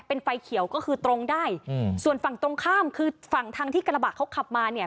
เป็นไฟเขียวก็คือตรงได้อืมส่วนฝั่งตรงข้ามคือฝั่งทางที่กระบะเขาขับมาเนี่ย